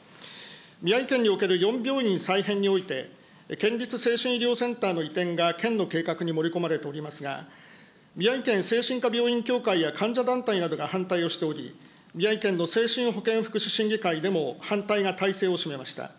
宮城県における４病院再編において、県立精神医療センターの移転が県の計画に盛り込まれておりますが、宮城県精神科病院協会や患者団体などが反対をしており、宮城県の精神保健福祉審議会でも反対が大勢を占めました。